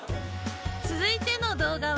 続いての動画は。